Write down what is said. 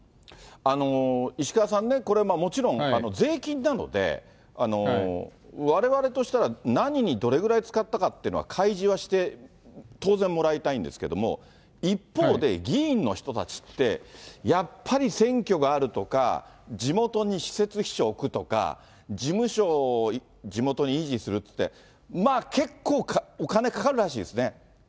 石川さんね、これはもちろん税金なので、われわれとしたら何にどれぐらい使ったかというのは開示はして、当然もらいたいんですけれども、一方で、議員の人たちって、やっぱり選挙があるとか、地元に私設秘書を置くとか、事務所、地元に維持するって、結構、お金かかるらしいですね。